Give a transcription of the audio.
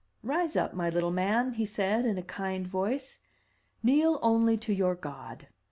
"Rise up, my little man,'* he said, in a kind voice; "kneel only to your God.